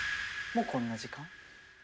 もうこんな時間？